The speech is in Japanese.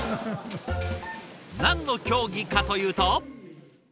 何の競技かというと。